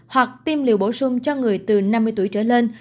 hoặc tiêm liều bổ sung cho người từ năm mươi tuổi trở lên